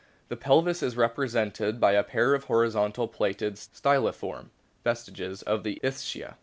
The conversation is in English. The pelvis is represented by a pair of horizontally placed styliform vestiges of the ischia.